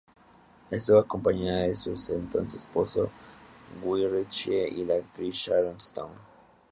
Estuvo acompañada de su entonces esposo, Guy Ritchie y la actriz Sharon Stone.